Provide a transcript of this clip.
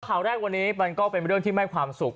ข่าวแรกวันนี้มันก็เป็นเรื่องที่ไม่ความสุข